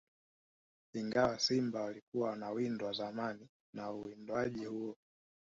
Ingawa simba walikuwa wanawindwa zamani na uwindaji huo